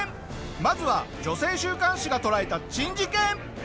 まずは女性週刊誌が捉えた珍事件！